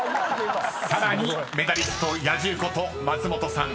［さらにメダリスト野獣こと松本さん